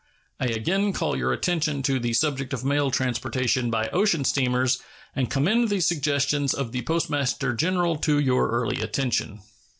I again call your attention to the subject of mail transportation by ocean steamers, and commend the suggestions of the Postmaster General to your early attention.